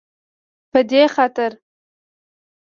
په دې خاطر